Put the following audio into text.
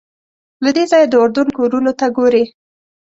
له دې ځایه د اردن کورونو ته ګورې.